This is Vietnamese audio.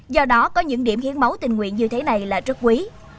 do đó có những điểm hiến máu tình nguyện như thế này là rất quý